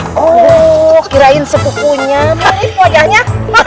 aduh kirain sepukunya nih wajahnya